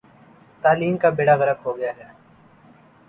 تعلیم کا بیڑہ غرق ہو گیا ہے۔